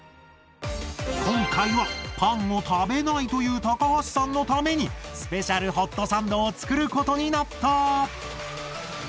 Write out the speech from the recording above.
今回はパンを食べないという高橋さんのためにスペシャルホットサンドを作ることになった。